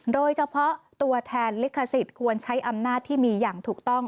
โดยเฉพาะตัวแทนลิขสิทธิ์ควรใช้อำนาจที่มีอย่างถูกต้อง